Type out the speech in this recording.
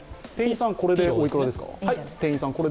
店員さん、これでおいくらですか？